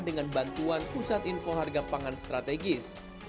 dengan bantuan pusat info harga pangan strategis